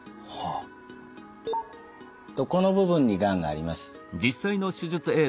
この部分にがんがあります。